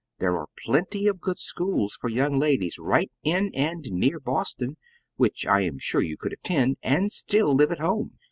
There are plenty of good schools for young ladies right in and near Boston, which I am sure you could attend, and still live at home.